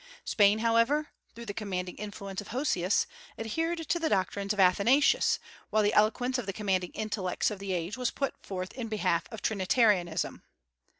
Spain, however, through the commanding influence of Hosius, adhered to the doctrines of Athanasius, while the eloquence of the commanding intellects of the age was put forth in behalf of Trinitarianism.